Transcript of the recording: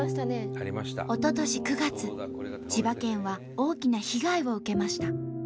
おととし９月千葉県は大きな被害を受けました。